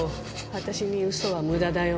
私に嘘は無駄だよ